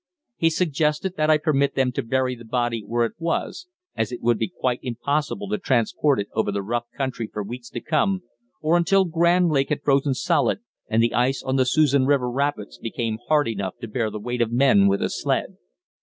He suggested that I permit them to bury the body where it was, as it would be quite impossible to transport it over the rough country for weeks to come, or until Grand Lake had frozen solid and the ice on the Susan River rapids become hard enough to bear the weight of men with a sled.